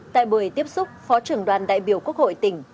tại buổi tiếp xúc phó trưởng đoàn đại biểu quốc hội tỉnh